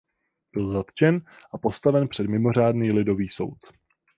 Byl zatčen a postaven před Mimořádný lidový soud.